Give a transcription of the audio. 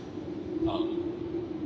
ああ。